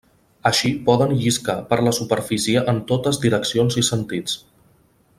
Així poden lliscar per la superfície en totes direccions i sentits.